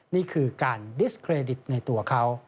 นี่คือการดิสเครดิตในตัวเขา